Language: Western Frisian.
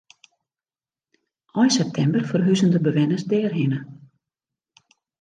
Ein septimber ferhuzen de bewenners dêrhinne.